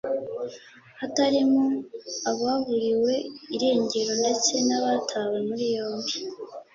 hatarimo ababuriwe irengero ndetse n’abatawe muri yombi